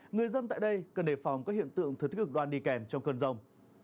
người dân tại đây cần đề phòng các hiện tượng thật cực đoan đi kèm trong cơn rông